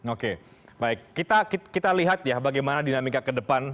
oke baik kita lihat ya bagaimana dinamika kedepan